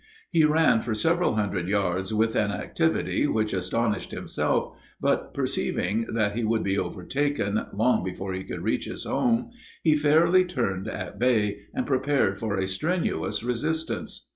He ran for several hundred yards with an activity which astonished himself, but perceiving that he would be overtaken, long before he could reach his home, he fairly turned at bay, and prepared for a strenuous resistance.